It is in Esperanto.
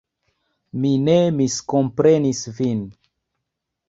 Mi ne miskomprenis vin.